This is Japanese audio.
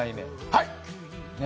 はい。